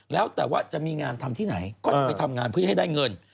แล้วแต่ว่าจะมีงานทำที่ไหนก็จะไปทำงานเพื่อให้ได้เงิน